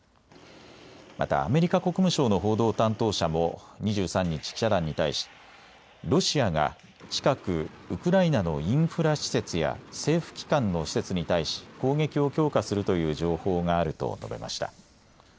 またアメリカ国務省の報道担当者も２３日、記者団に対しロシアが近くウクライナのインフラ施設や政府機関の施設に対し攻撃を強化するという情報があると述べました。